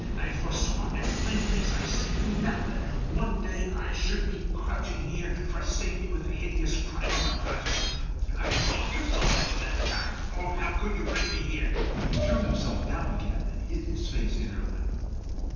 I foresaw, as plainly as I see you now, that one day I should be crouching here for safety with a hideous crime on my conscience. I told you so, Helen, at the time. Oh! how could you bring me here?" He threw himself down again, and hid his face on her lap.